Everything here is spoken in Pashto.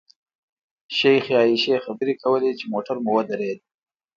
شیخې عایشې خبرې کولې چې موټر مو ودرېد.